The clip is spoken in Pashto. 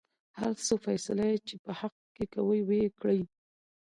هر څه فيصله يې چې په حق کې کوۍ وېې کړۍ.